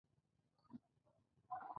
له بارانه لاړو، تر ناوې لاندې ودرېدو.